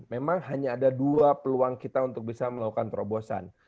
memang hanya ada dua peluang kita untuk bisa melakukan terobosan